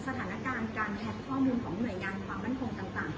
สถานการณ์การแท็กข้อมูลของหน่วยงานของบันทึกต่าง